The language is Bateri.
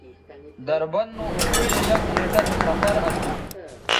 دربند نو اوگئ یک گھنٹہ سو سفر اسو